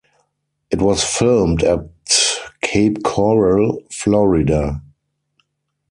It was filmed at Cape Coral, Florida.